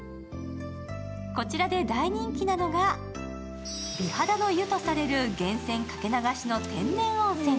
こちらで大人気なのが美肌の湯とされる源泉掛け流しの天然温泉。